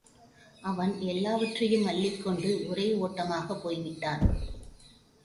அவன் எல்லாவற்றையும் அள்ளிக்கொண்டு ஒரே ஓட்டமாகப் போய் விட்டான்.